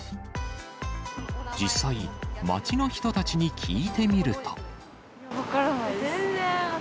実際、街の人たちに聞いてみると。